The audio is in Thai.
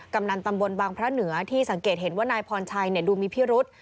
กำนันตำบลบางพระเหนือที่สังเกตเห็นว่านายพรชัยดูมีพิรุษ